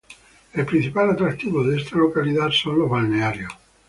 El principal atractivo de esta localidad son los balnearios.